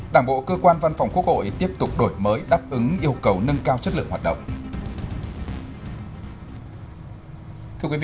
đảng bộ cơ quan văn phòng quốc hội tiếp tục đổi mới đáp ứng yêu cầu nâng cao chất lượng hoạt động